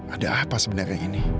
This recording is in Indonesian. ada apa sebenarnya ini